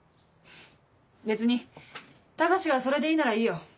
別に高志がそれでいいならいいよ。